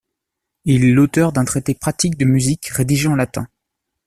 Il est l’auteur d’un traité pratique de musique rédigé en latin.